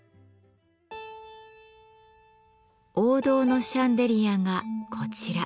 王道のシャンデリアがこちら。